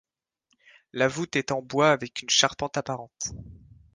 La voûte est en bois avec une charpente apparente.